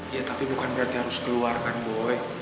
ya tapi bukan berarti harus keluarkan boleh